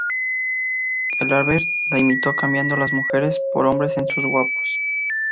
Gelabert la imitó cambiando las mujeres por hombres en sus "Guapos...".